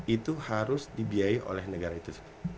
itu harus dibiayai oleh negara itu